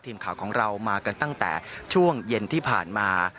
ทีมข่าวของเรามากันตั้งแต่ช่วงเย็นที่ผ่านมา